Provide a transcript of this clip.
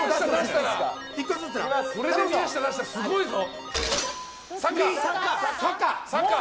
これで出したらすごいぞ。